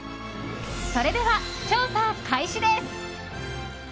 それでは調査開始です。